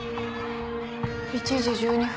１時１２分。